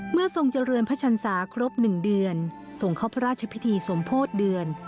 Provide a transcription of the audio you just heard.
เมื่อทรงเจริญพระชันศาสตร์ครบหนึ่งเดือนส่งเข้าพระราชพิธีสมโพธิเดือน